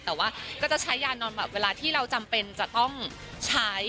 แต่ว่าก็จะใช้ยานอนหลับเวลาที่เราจำเป็นจะต้องใช้